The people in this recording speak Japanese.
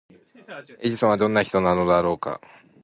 エジソンはどんな人なのだろうか？